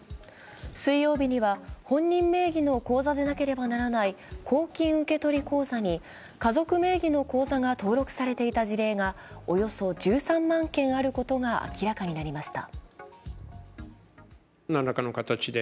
水曜日には本人名義の口座でなければならない公金受取口座に家族名義の口座が登録されていた事例がおよそ１３万件あることが明らかになりました。